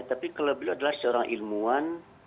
tapi kalau beliau adalah seorang ilmuwan